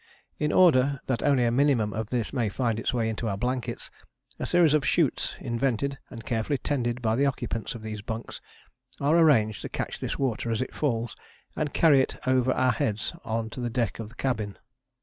In order that only a minimum of this may find its way into our blankets a series of shoots, invented and carefully tended by the occupants of these bunks, are arranged to catch this water as it falls and carry it over our heads on to the deck of the cabin.